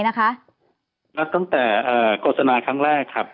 นับตั้งแต่โฆษณาครั้งแรกครับ